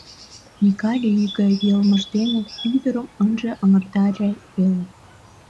Микале ӱй гай йылмыж дене ӱдырым ынже аҥыртаре веле.